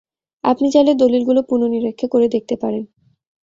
আপনি চাইলে দলীলগুলো পুনঃনীরিক্ষা করে দেখতে পারেন।